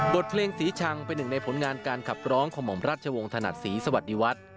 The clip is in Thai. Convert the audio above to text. บทเพลงสีชังเป็นหนึ่งในผลงานการขับร้องของหม่อมราชวงศ์ถนัดศรีสวัสดีวัฒน์